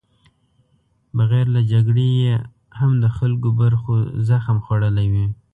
بغیر له جګړې هم د خلکو برخو زخم خوړلی وي.